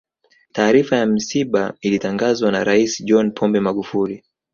taarifa ya msiba ilitangazwa na rais john pombe magufuli